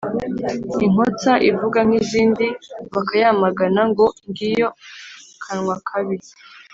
Inkotsa ivuga nk’izindi bakayamagana (ngo ngiyo kanwa kabi).